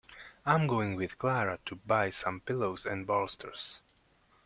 I'm going with Clara to buy some pillows and bolsters.